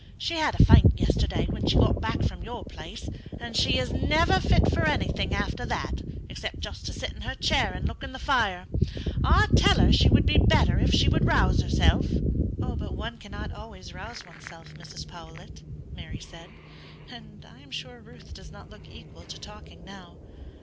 She had a faint yesterday when she got back from your place, and she is never fit for anything after that except just to sit in her chair and look in the fire. I tell her she would be better if she would rouse herself." "But one cannot always rouse oneself, Mrs. Powlett," Mary said; "and I am sure Ruth does not look equal to talking now.